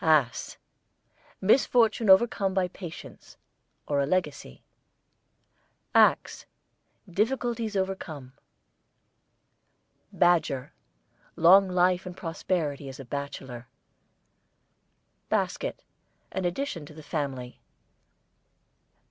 ASS, misfortune overcome by patience; or a legacy. AXE, difficulties overcome. BADGER, long life and prosperity as a bachelor. BASKET, an addition to the family.